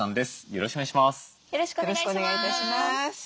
よろしくお願いします。